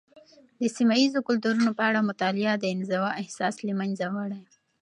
د سيمه یيزو کلتورونو په اړه مطالعه، د انزوا احساس له منځه وړي.